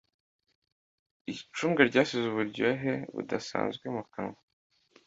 Icunga ryasize uburyohe budasanzwe mu kanwa.